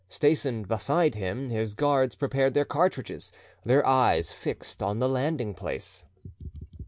Stationed beside him, his guards prepared their cartridges, their eyes fixed on the landing place.